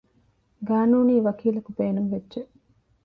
ޤާނޫނީ ވަކީލަކު ބޭނުންވެއްޖެ